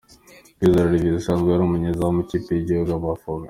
Kwizera Olivier usanzwe ari umunyezamu w’ikipe y’igihugu Amavubi